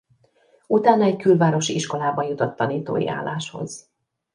Utána egy külvárosi iskolában jutott tanítói álláshoz.